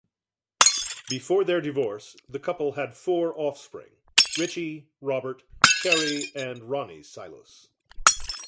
Before their divorce, the couple had four offspring: Richie, Robert, Cherry and Ronnie Silos.